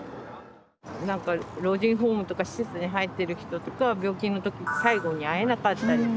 何か老人ホームとか施設に入っている人とかは病気の時最期に会えなかったり。